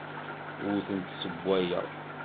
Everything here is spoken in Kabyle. Ur tent-ssewwayeɣ.